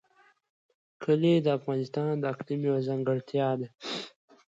کلي د افغانستان د اقلیم یوه ځانګړتیا ده.